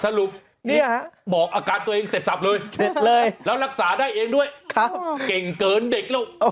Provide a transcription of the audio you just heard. สรุปบอกอาการตัวเองเสร็จสับเลยเจ็บเลยแล้วรักษาได้เองด้วยเก่งเกินเด็กแล้ว